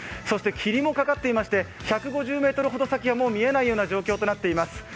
そして霧もかかっていまして、１５０ｍほど先は見えないような状況になっています。